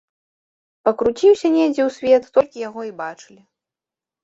Пакруціўся недзе ў свет, толькі яго і бачылі.